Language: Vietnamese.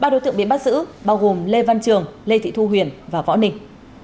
ba đối tượng bị bắt giữ bao gồm lê văn trường lê thị thu huyền và võ ninh